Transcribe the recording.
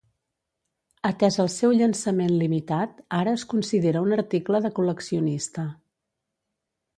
Atès el seu llançament limitat, ara es considera un article de col·leccionista.